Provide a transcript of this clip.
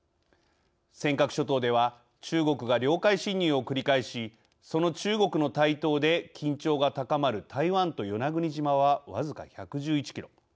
尖閣諸島では中国が領海侵入を繰り返しその中国の台頭で緊張が高まる台湾と与那国島は僅か１１１キロ。